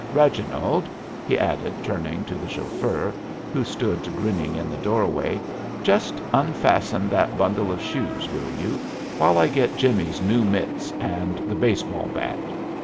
Reginald," he added, turning to the chauffeur, who stood grinning in the doorway, "just unfasten that bundle of shoes, will you, while I get Jimmie's new mitts and the base ball bat?"